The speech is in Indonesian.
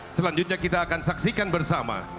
selanjutnya kita akan saksikan bersama